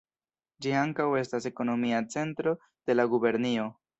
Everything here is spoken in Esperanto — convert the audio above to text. Ĝi ankaŭ estas ekonomia centro de la gubernio.